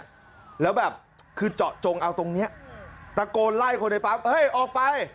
แล้วแบบคือเจาะจงเอาตรงเนี้ยตะโกนไล่คนในปั๊มเฮ้ยออกไป